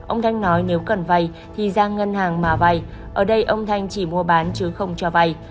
ông thanh nói nếu cần vay thì giang ngân hàng mà vay ở đây ông thanh chỉ mua bán chứ không cho vay